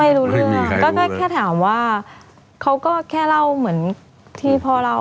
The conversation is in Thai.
ไม่รู้เรื่องไม่มีใครรู้เรื่องก็แค่ถามว่าเขาก็แค่เล่าเหมือนที่พ่อเล่า